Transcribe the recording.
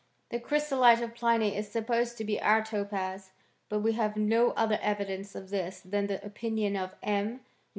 The chrysolite of Pliny is supposed to be our topaz : but we have no other evidence of tliis than the opinion of M.